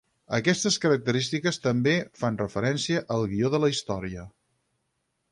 Aquestes característiques també fan referència al guió de la història.